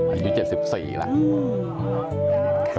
อันนี้๗๔แล้ว